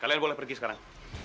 kalian boleh pergi sekarang